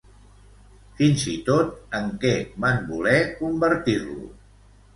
Fins i tot, en què van voler convertir-lo?